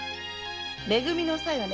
「め組のおさい」はね